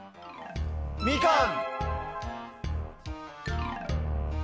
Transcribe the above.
みかん！